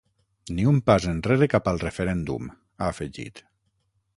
Ni un pas enrere cap al referèndum, ha afegit.